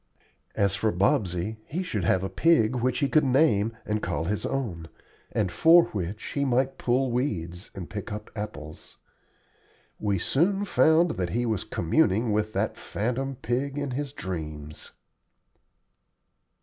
As for Bobsey, he should have a pig which he could name and call his own, and for which he might pull weeds and pick up apples. We soon found that he was communing with that phantom pig in his dreams.